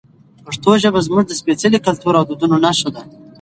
پښتو ژبه زموږ د سپېڅلي کلتور او دودونو نښه ده.